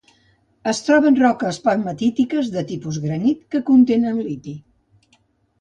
Es troba en roques pegmatítiques de tipus granit que contenen liti.